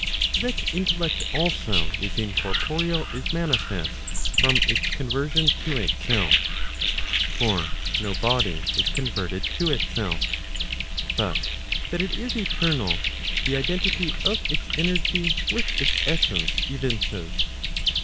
That intellect also is incorporeal, is manifest from its conversion to itself. For no body is converted to itself. But that it is eternal, the identity of its energy with its essence evinces.